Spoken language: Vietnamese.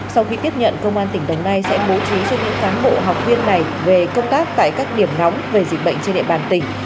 sau khi tiếp nhận công an tỉnh đồng nai sẽ bố trí cho những cán bộ học viên này về công tác tại các điểm nóng về dịch bệnh trên địa bàn tỉnh